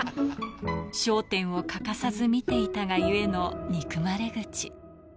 笑点を欠かさず見ていたがゆえの、憎まれ口。